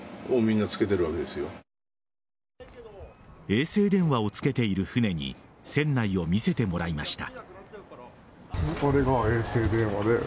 衛星電話をつけている船に船内を見せてもらいました。